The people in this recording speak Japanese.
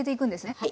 はい。